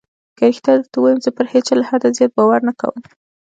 که رښتيا درته ووايم زه پر هېچا له حده زيات باور نه کوم.